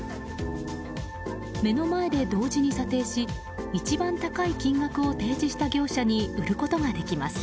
目の前で同時に査定し一番高い金額を提示した業者に売ることができます。